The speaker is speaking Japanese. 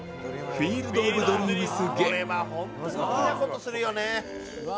『フィールド・オブ・ドリームス』